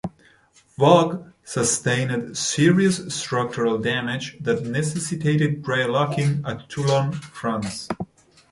"Voge" sustained serious structural damage that necessitated drydocking at Toulon, France.